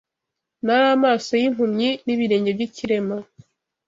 Nari amaso y‘impumyi, n’ibirenge by’ikirema